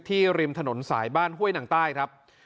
ริมถนนสายบ้านห้วยหนังใต้ครับ